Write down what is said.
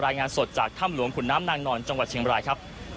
รายงานสดจากถ้ำหลวงขุนน้ำนางนอนจังหวัดเชียงบรายครับ